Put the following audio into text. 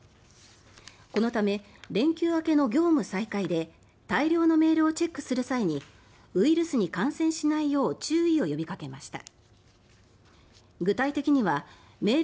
このため、連休明けの業務再開で大量のメールをチェックする際にウイルスに感染しないよう注意を呼びかけました。